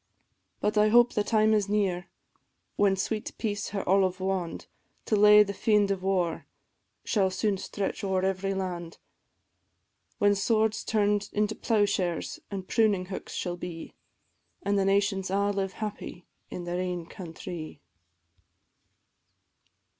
But I hope the time is near, when sweet peace her olive wand To lay the fiend of war shall soon stretch o'er every land, When swords turn'd into ploughshares and pruning hooks shall be, An' the nations a' live happy in their ain countrie.